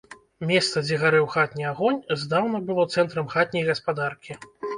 Месца, дзе гарэў хатні агонь, здаўна было цэнтрам хатняй гаспадаркі.